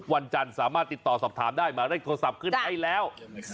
วันจันทร์สามารถติดต่อสอบถามได้หมายเลขโทรศัพท์ขึ้นให้แล้ว